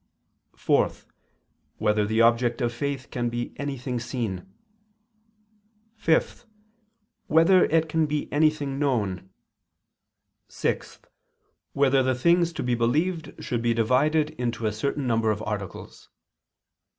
(4) Whether the object of faith can be anything seen? (5) Whether it can be anything known? (6) Whether the things to be believed should be divided into a certain number of articles?